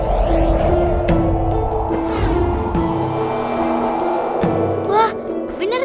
ibu unda para bidadari